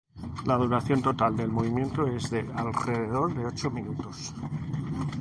La duración total del movimiento es de alrededor de ocho minutos.